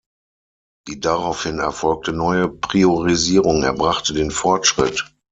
Die darauf hin erfolgte neue Priorisierung erbrachte den Fortschritt.